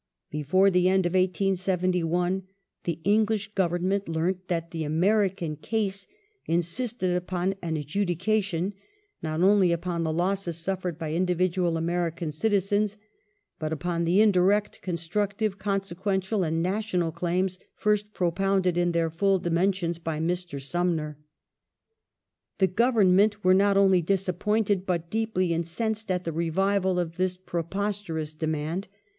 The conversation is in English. Before the end of 1871 the English Government learnt that the American "case" insisted upon an adjudication " not only upon the losses suffered by individual American citizens, but upon the indirect constructive, consequential, and national claims first propounded in their full dimensions by Mr. Sumner".^ The Government were not only disappointed but deeply incensed at the revival of this preposterous demand.